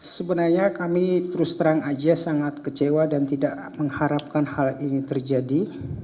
sebenarnya kami terus terang saja sangat kecewa dan tidak mengharapkan hal ini terjadi